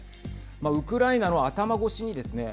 ウクライナの頭越しにですね